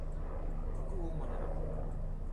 国語を学ぶ。